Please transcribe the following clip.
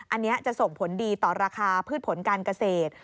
อันนี้จะส่งผลดีต่อราคาพืชผลการเกษตร